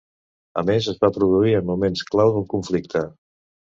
A més es va produir en moments clau del conflicte.